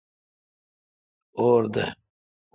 اور دہ۔